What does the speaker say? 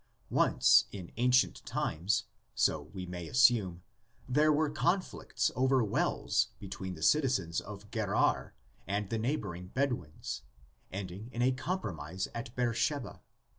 Once in ancient times, so we may assume, there were conflicts over wells between the citizens of Gerar and the neighboring Bedouins, ending in a compromise at Beersheba.